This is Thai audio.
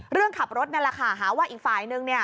เรื่องขับรถนั่นแหละค่ะหาว่าอีกฝ่ายนึงเนี่ย